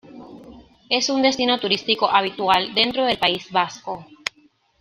Es un destino turístico habitual dentro del País Vasco.